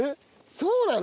そうなの？